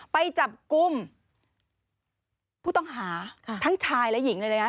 ไปจับกลุ่มผู้ต้องหาทั้งชายและหญิงเลยนะ